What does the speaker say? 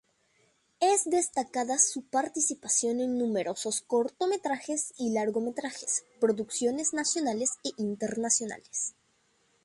Es destacada su participación en numerosos cortometrajes y largometrajes, producciones nacionales e internacionales.